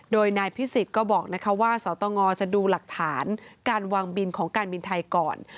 โดยนายพิสิทธิ์ก็บอกว่าสตงจะดูหลักฐานการวางบินของการบินไทยก่อน